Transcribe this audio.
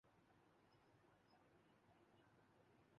یا اللّٰہ سبحان اللّٰہ تعالی سب بیماروں کو شفاء عطاء فرمائے آمین ثم آمین